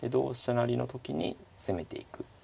成の時に攻めていく。